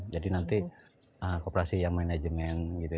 jadi nanti kooperasi yang manajemen gitu